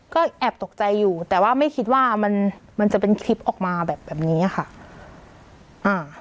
ก็แอบตกใจอยู่แต่ว่าไม่คิดว่ามันมันจะเป็นคลิปออกมาแบบแบบนี้อ่ะค่ะอ่า